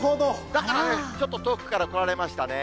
だからね、ちょっと遠くから来られましたね。